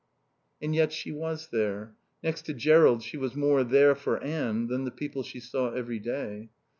And yet she was there. Next to Jerrold she was more there for Anne than the people she saw every day.